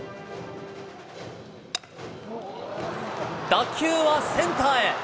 打球はセンターへ。